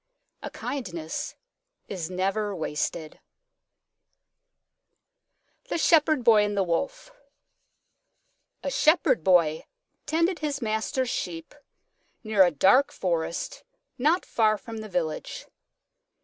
A kindness is never wasted. THE SHEPHERD BOY AND THE WOLF A Shepherd Boy tended his master's Sheep near a dark forest not far from the village.